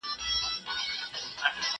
یوهډوکی یې د پښې وو که د ملا وو